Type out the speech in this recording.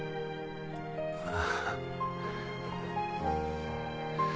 ああ。